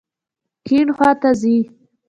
کیڼ خواته ځئ